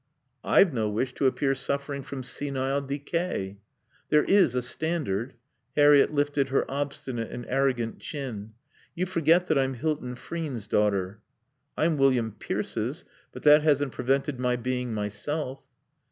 "I've no wish to appear suffering from senile decay." "There is a standard." Harriett lifted her obstinate and arrogant chin. "You forget that I'm Hilton Frean's daughter." "I'm William Pierce's, but that hasn't prevented my being myself."